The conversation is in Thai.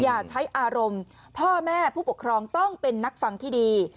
อย่าใช้อารมณ์พ่อแม่ผู้ปกครองต้องเป็นนักฟังที่ดี